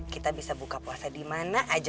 kita bisa buka puasa dimana aja